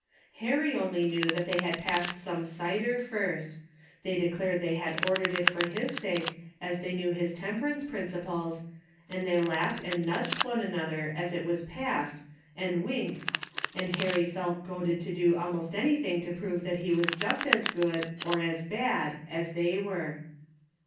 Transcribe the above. Harry only knew that they had passed some cider first. They declared they had ordered it for his sake as they knew his temperance prin ciples, and they laughed and nudged one an other as it was passed and winked, and Harry felt goaded to do almost anything to prove that he was just as good, or as bad, as they were.